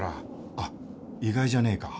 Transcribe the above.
あっ意外じゃねえか。